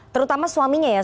terutama suaminya ya